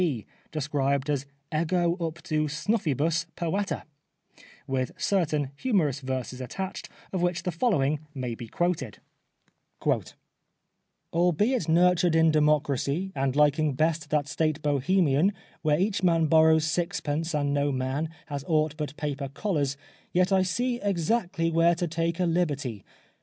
B., described as " Ego Upto Snuffibus Poeta," with certain humorous verses attached, of which the following may be quoted :" Albeit nurtured in democracy And liking best that state Bohemian Where each man borrows sixpence and no man Has aught but paper collars ; yet I see Exactly where to take a hberty.